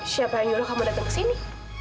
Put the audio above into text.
siapa yang nyuruh kamu dateng kesini